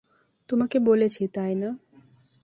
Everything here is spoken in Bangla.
তোমাকে বলেছি, তাই না?